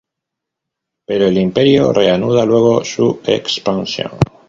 Pero el Imperio reanuda luego su expansión.